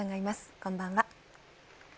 こんばんは。